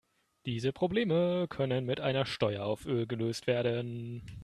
Diese Probleme können mit einer Steuer auf Öl gelöst werden.